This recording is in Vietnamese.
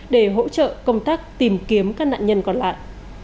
để hỗ trợ công tác tìm kiếm các nạn nhân còn lại